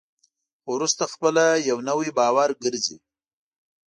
خو وروسته خپله یو نوی باور ګرځي.